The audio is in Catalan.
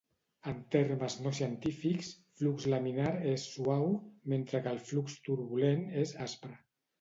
En termes no científics, flux laminar és "suau", mentre que el flux turbulent és "aspre".